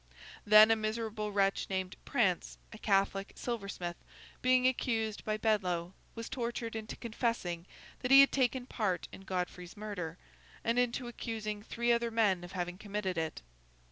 Then, a miserable wretch named Prance, a Catholic silversmith, being accused by Bedloe, was tortured into confessing that he had taken part in Godfrey's murder, and into accusing three other men of having committed it.